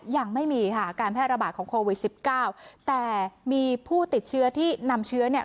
ยังไม่มีค่ะการแพร่ระบาดของโควิดสิบเก้าแต่มีผู้ติดเชื้อที่นำเชื้อเนี่ย